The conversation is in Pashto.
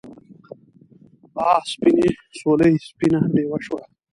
آ سپینې سولې سپینه ډیوه شه